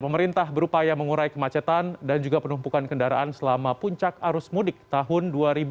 pemerintah berupaya mengurai kemacetan dan juga penumpukan kendaraan selama puncak arus mudik tahun dua ribu dua puluh